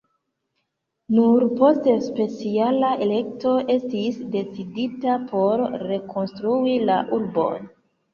Nur post speciala elekto estis decidita por rekonstrui la urbon.